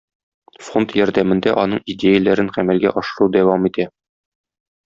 Фонд ярдәмендә аның идеяләрен гамәлгә ашыру дәвам итә.